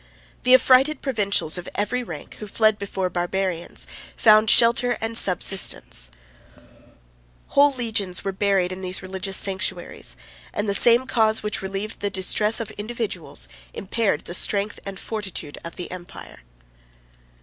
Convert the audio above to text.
The affrighted provincials of every rank, who fled before the Barbarians, found shelter and subsistence: whole legions were buried in these religious sanctuaries; and the same cause, which relieved the distress of individuals, impaired the strength and fortitude of the empire.